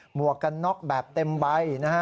หมวกกันน็อกแบบเต็มใบ